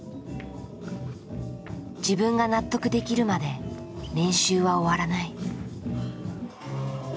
自分が納得できるまで練習は終わらない。